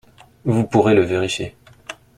Vous pourrez le vérifier.